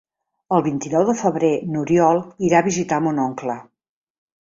El vint-i-nou de febrer n'Oriol irà a visitar mon oncle.